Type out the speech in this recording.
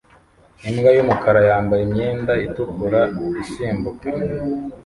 Imbwa yumukara yambaye imyenda itukura isimbuka